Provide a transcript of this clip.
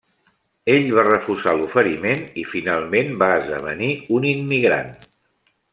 Ell va refusar l'oferiment i, finalment, va esdevenir un immigrant.